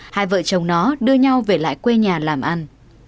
hai vợ chồng nó đưa nhau về lại quê nhà làm ăn